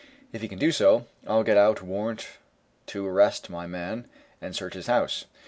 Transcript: If he can do so, I'll get out a warrant to arrest my man, and search his house."